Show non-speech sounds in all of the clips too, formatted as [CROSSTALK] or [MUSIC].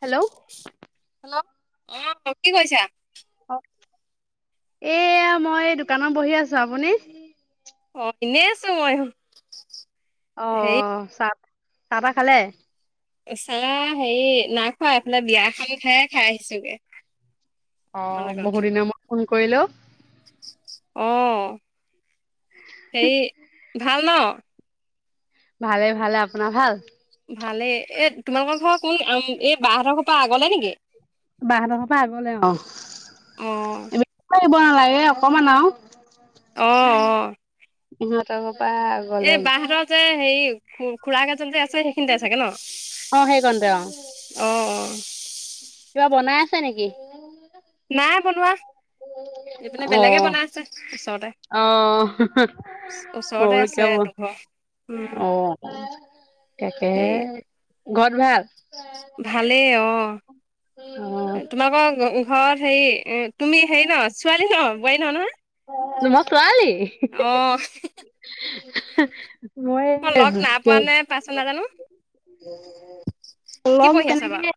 Hello. Hello অ' কি কৰিছা? অ এয়া মই দোকানত বহি আছো আপুনি? অ' ইনেই আছো ময়ো। আহ' চাহ চাহ তাহ খালে? এচাহ হেৰি নাই খোৱা এইফালে বিয়া এখন খাই আহিছোগে। অকমান অ' আগত। বহুদিনৰ মূৰত ফোন কৰিলে অ'। অ হেৰি ভাল ন? ভালে ভালে, আপোনাৰ ভাল? ভালে, এ তোমালোকৰ ঘৰৰ কোন এই বাহঁতৰ ঘৰ পৰা আগলে নেকি? বাহঁতৰ পৰা আগলে অ। অ নালাগে অকণমান আৰু। অ' অ'। [INAUDIBLE] আগলে এই বাহঁতৰ যে হেৰি খু়ড়াক এজন যে আছে সেইখিনিতে থাকে ন? অ সেইকণতে অ অ' অ'। কিবা বনাই আছে নেকি? নাই বনোৱা, এইপিনে অ বেলেগে বনাই আছে ওচৰতে। অ মই ওচৰতে বোলো কিবা আছে বন দুঘৰ। উম। তাকে সেই ঘৰত ভাল? ভালেই অ'। তোমালোকৰ অ'। ঘৰত হেৰি তুমি হেৰি ন ছোৱালী ন বোৱাৰী নহয় নহয়? মই ছোৱালী। অ' মই লগ নাই পোৱা নে পাইছো নাজানো [INAUDIBLE] কি লগ পঢ়ি আছা বাৰু? তেনেকে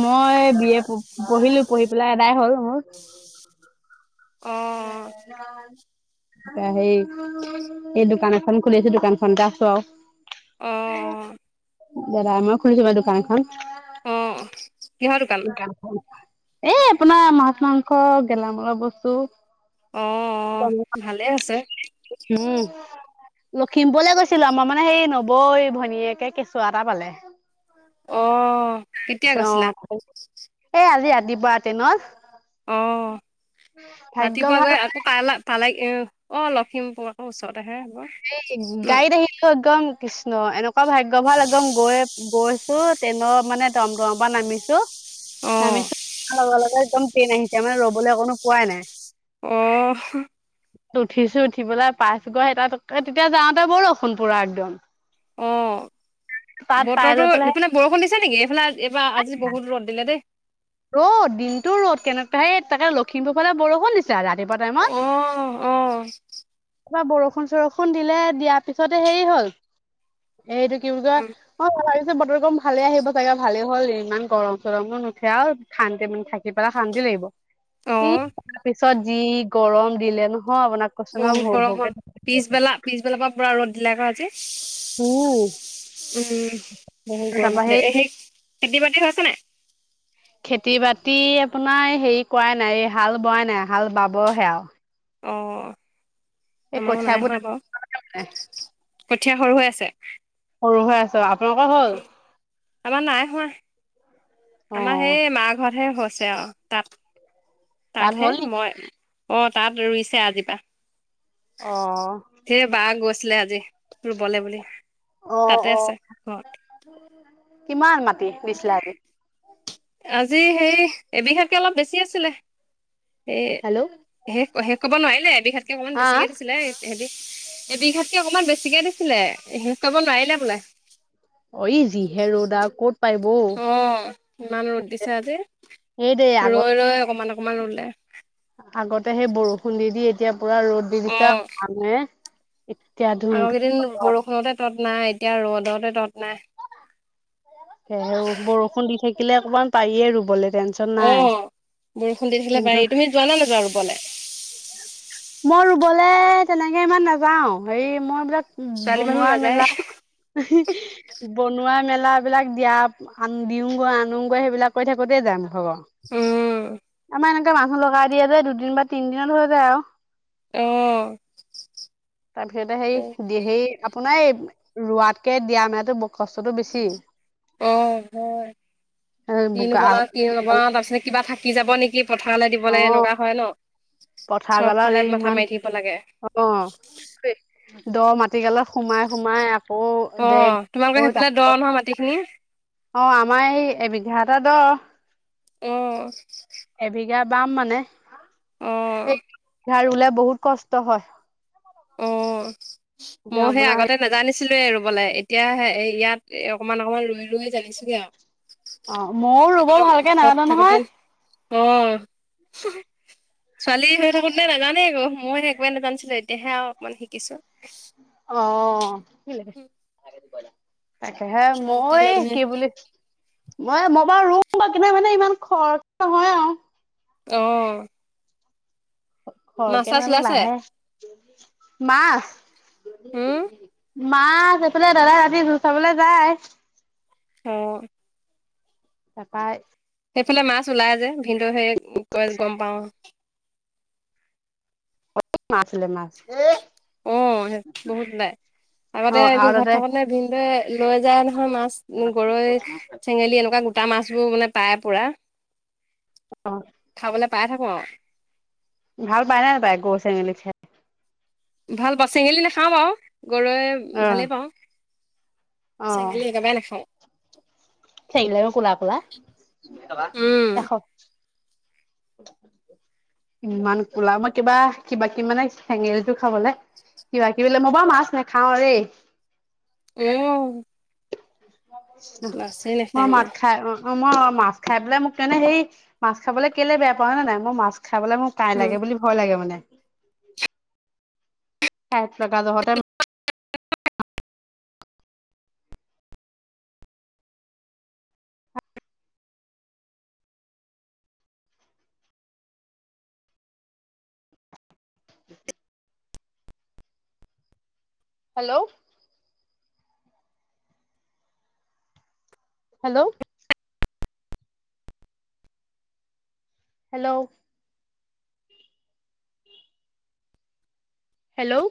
মই এ বি এ পঢ়িলো, পঢ়ি পেলাই এডাই হ'ল মোৰ। অ' [INAUDIBLE] সেই এই দোকান এখন খুলিছোঁ, দোকানখনতে আছোঁ আৰু। অ' অ'। দাদাই মই য়ে খুলিছোঁ মানে দোকান খন। অ' অ' কিহৰ দোকান? এ কাম হ'ল এই আপোনাৰ মাছ-মাংস, গেলামালৰ বস্তু। অ' অ' [UNINTELLIGIBLE] ভালে আছে উম, লখিমপুৰলে গৈছিলোঁ আমাৰ মানে সেই নবৌ ভনীয়েকে কেঁচুৱা এটা পালে। অ', কেতিয়া পি অ, গৈছিলা? এই আজি ৰাতিপুৱাতে ন? অ, ভাগ্য ৰাতিপুৱা ভাল গৈ মানে আকৌ পালা - পালাগ উম, অ, লখিমপুৰ আকৌ ওচৰত। এই গাড়ীত আহিলো একদম কৃষ্ণ এনেকুৱা ভাগ্য ভাল একদম গৈ-গৈ ট্ৰেইনৰ মানে টম-টমৰ পৰা অ' নামিছো-নামিছো লগে লগে একদম ট্ৰেইন আহিছে মানে ৰ'বলৈ অকণো পোৱাই নাই। অহ', উঠিছোঁ উঠি পেলাই পাইছোগৈ স তাত তেতিয়া যাওঁতে বৰষুণ পুৰা একদম‌। অহ', পাই লৈ বতৰতো পেলাই সিফালে বৰষুণ দিছে নেকি? এইফালে এইবাৰ আজি বহুত ৰদ দিলে দেই। ৰ'দ দিনটো ৰ'দ কেনেকুৱা হে তাকে লখিমপুৰৰ ফালে বৰষুণ দিছিল ৰাতিপুৱা অ' টাইমত। তা বৰষুণ-চৰষুণ দিলে দিয়াৰ পিছতে হেৰি হ'ল এই এইটো কি বুলি কয় অ, ভাবিছোঁ বতৰ গম ভালে আহিব চাগে ভালে হ'ল ইমান গৰম-চৰমো আৰু শান্তি মানে থাকি পেলাই শান্তি লাগিব অ' ই অ' তাৰপিছত যি গৰম দিলে ন। বহুত গৰম হ'ল পিছবেলা-পিছবেলাৰ পৰা পুৰা ৰ'দ দিলে আকৌ আজি। উম, উম, বহুত গৰম তাৰপৰা সেই দিছিলে। এ হেই খেতি-বাতি হৈছে নাই? খেতি-বাতি আপোনাৰ হেৰি কৰাই নাই, হাল বোৱাই নাই হাল বাবহে আৰু। অ' এই আমাৰো নাই কঠিয়াবোৰ হোৱা বাৰু কঠীয়া সৰু হৈ আছে। [INAUDIBLE] হয় আছোঁ। আপ আমাৰ নাই হোৱা। অ আমাৰ সেই, মা ঘৰতহে হৈছে আৰু তাত তাত হ'ল নি তাতহে মই অ' তাত ৰুইছে আজি পৰা। অ'। ছিলে আজি, ৰুবলে বুলি তাতে আছে ঘৰত। কিমান মাটি নিছিলা আজি? যি সেই এবিঘাকে অলপ বেছি আছিলে, স হেল্ল' 'সে' সেষ ক'ব নোৱাৰি এবিঘাতকে অকমান, আহ বেছিকে দিছিলে এবিঘাতকে অকমান, বেছিকে দিছিলে শেষ কৰিব নোৱাৰিলে বোলে। অ'ই যিহে ৰ'দ আও ক'ত পাৰিব অ অ', ইমান ৰ'দ দিছে আজি এই দেই আগত ৰৈ ৰৈ অকমান। অকমান ৰুলে আগতে সেই বৰষুণ দি দি, এতিয়া পুৰা ৰ'দ দি দিছে আও আনে আগকেইদিন বৰষুণতে তত, নাই এতিয়া ৰ'দতে তত নাই। সেহে বৰষুণ দি থাকিলে অকমান পাৰিয়ে ৰুবলৈ। টেনচন অ নাই বৰষুণ দি থাকিলে কিন্তু পাৰি, তুমি যোৱা নে নেযোৱা ৰুবলে। মই ৰুবলে' তেনেকে ইমান নাযাও, হেৰি মই বিলাক ছোৱালী মানুহ বনোৱা নাযায় মেলা [UNINTELLIGIBLE] বনোৱা মেলা। সেইবিলাক দিয়া আন দিওগৈ আনোগৈ সেইবিলাক কৈ থাকোতেই যাই মানে। হব, উম আমাৰ এনেকে মানুহ লগাই দিয়া যে দুদিন বা তিন দিনত হৈ যায় আৰু। অ', তাৰপিছতে সেই, সেই আপোনাৰ এই ৰোৱাকে, দিয়া মানেতো কষ্টটো বেছি। অ হয়, বোকা কিনোবনাও কিনো নবনাও তাৰপিছত কিবা থাকি যাব নেকি পথাৰলৈ অ দিবলৈ এনেকুৱা হয় ন। পথাৰ চব গলত ফালে এই মাথা ইমান মাৰি থাকিব লাগে অ। দ মাটিকালত সোমাই সোমাই দে অ', তোমালোকৰ [UNINTELLIGIBLE] সেইফালে দ নহয় মাটিখিনি অ' আমাৰ এই এ। [UNINTELLIGIBLE] অহ। এবিঘা বাম মানে। অ', বিঘা ৰুলে বহুত কষ্ট হয়। অ' এতিয়া মই সেই আপোনাৰ হে আগতে নাজানি ছিলোৱে ৰুবলে এতিয়াে এ ইয়াত অকণমান অকণমান ৰ অ' মইও ৰুব আগতে ভালকে ঘৰত নাজানো থাকোতে নহয়। অ' ছোৱালী হৈ থাকোতে নাজানে একো মইও একোৱেই নেজানিছিলো। এতিয়াহে আৰু অকমান শিকিছো। অ' দেখিলে তাকে হে, এতিয়া মই মানুহে কি বুলি? মই, মই বাৰু ৰুম বা কিনে মানে ইমান খৰচ নহয় আৰু। অ,। মাছ সৰকে ন চাছ জানো ওলাইছে লাহে, মাছ। হুম? মাছ, এইফালে দাদা ৰাতি জু চাবলৈ যায়। অ'। তাকায় সেইফালে মাছ ওলাই যে, ভিনদই সেই কৈ গম পাওঁ। মাছ আছিলে, মাছ। অ' বহুত নাই, অ আগতে আমি আৰু ঘৰত তাতে থাকোতে ভিনদেউ লৈ যা ন। মাছ গৰৈ, চেঙেলী এনেকুৱা গোটা মাছবোৰ মানে পায় পোৰা। অ,। পাই থাকো আৰু। ভাল পাই নে, নাপাই? গৰৈ, চেঙেলী খাই? ভাল পাওঁ, চেঙেলী নাখাওঁ বাৰু, গৰৈ অ ভালে পাওঁ। অ চেঙেলী একেবাৰে নাখাও। চেঙেলী বিলাক কোলা, কোলা। উম এখ [UNINTELLIGIBLE] ইমান কোলা, মই কিবা, কিবা- কিবি মানে চেঙেলটো খাবলৈ কিবা- কিবি বোলে, মই মাছ নেখাওঁ দে। [UNINTELLIGIBLE] মাছেই মই নাখায় মাত মানে খাই অ। অ মই মাছ খাই পেলাই মোক মানে সেই মাছ খাবলৈ কেলে বেয়া পাওঁ হয়ে নে নাই মই মাছ খাবলৈ মোৰ কাই উম লাগে বুলি ভয় লাগে মানে। কাঁইট লগা যহতে হেল্ল' হেল্ল' হেল্ল'। হেল্ল'।